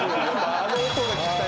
「あの音が聞きたいね。